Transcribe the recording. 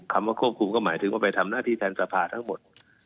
คำว่าควบคุมก็หมายถึงว่าไปทำหน้าที่แทนสภาทั้งหมด